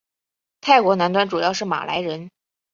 泰国南端主要是马来人。